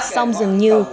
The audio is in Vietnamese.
xong dường như